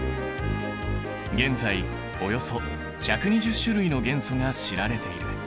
現在およそ１２０種類の元素が知られている。